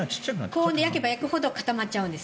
高温で焼けば焼くほど固まっちゃうんです。